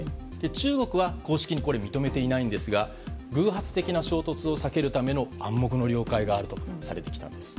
中国は公式にこれを認めていないんですが偶発的衝突を避けるための暗黙の了解があるとされてきたんです。